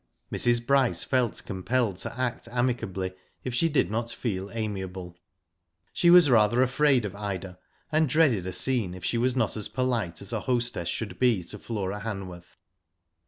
Mrs. Bryce felt compelled to act amicably if she did not feel amiable. She was rather afraid of Ida, and dreaded a scene if she was not as polite as a hostess should be to Flora Hanworth.